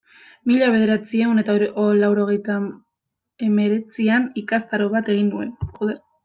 Mila bederatziehun eta laurogeita hemeretzian ikastaro bat egin nuen.